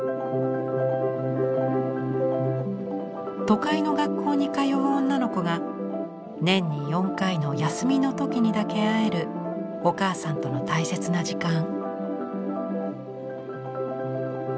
都会の学校に通う女の子が年に４回の休みの時にだけ会えるお母さんとの大切な時間。